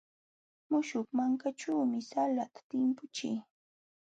Muśhuq mankaćhuumi salata timpuchii.